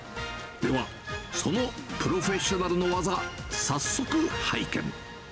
では、そのプロフェッショナルの技、早速拝見。